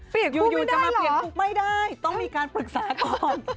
เปลี่ยนกูไม่ได้เหรอไม่ได้ต้องมีการปรึกษาก่อน